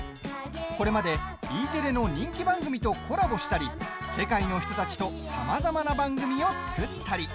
これまでＥテレの人気番組とコラボしたり世界の人たちとさまざまな番組を作ったり。